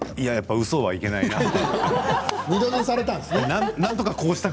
うそはいけないなと思って。